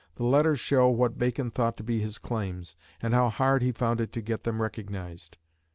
The letters show what Bacon thought to be his claims, and how hard he found it to get them recognised.